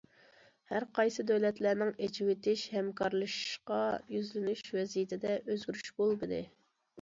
ھەر قايسى دۆلەتلەرنىڭ ئېچىۋېتىش، ھەمكارلىشىشقا يۈزلىنىش ۋەزىيىتىدە ئۆزگىرىش بولمىدى.